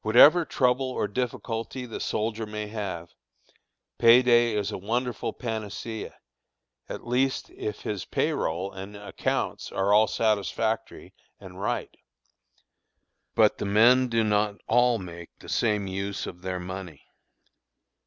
Whatever trouble or difficulty the soldier may have, pay day is a wonderful panacea, at least if his pay roll and accounts are all satisfactory and right. But the men do not all make the same use of their money.